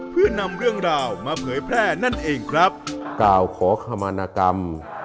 เพื่อนำเรื่องราวมาเผยแพร่นั่นเองครับกล่าวขอขมานากรรม